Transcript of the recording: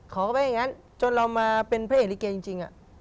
เขาก็ไม่อย่างนั้นจนเรามาเป็นพระเอกลิเกจริง